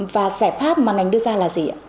và giải pháp mà ngành đưa ra là gì ạ